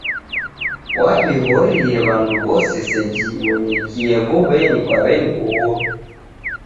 Waw'ighorie w'andu w'ose seji ibonyekie mbuw'enyi kwa w'eni Uhuru.